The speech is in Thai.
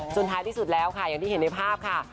ท้ายที่สุดแล้วค่ะอย่างที่เห็นในภาพค่ะ